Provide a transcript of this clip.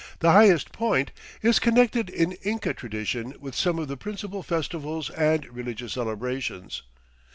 the highest point, is connected in Inca tradition with some of the principal festivals and religious celebrations.